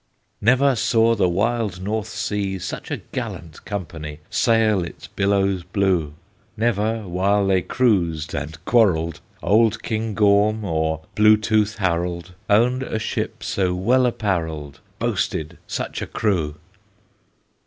Never saw the wild North Sea Such a gallant company Sail its billows blue! Never, while they cruised and quarrelled, Old King Gorm, or Blue Tooth Harald, Owned a ship so well apparelled, Boasted such a crew!